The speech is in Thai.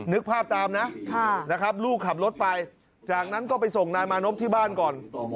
นึกภาพตามนะนะครับลูกขับรถไปจากนั้นก็ไปส่งนายมานพที่บ้านก่อน